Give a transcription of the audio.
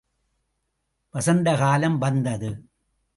வசந்த காலம் வந்தது.